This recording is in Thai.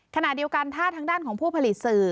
ขณะเดียวกันถ้าทางด้านของผู้ผลิตสื่อ